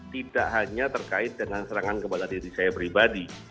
tidak hanya terkait dengan serangan kepada diri saya pribadi